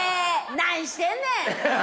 何してんねん！